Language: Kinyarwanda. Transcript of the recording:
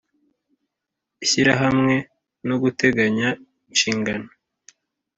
Ishyirahamwe no guteganya inshingano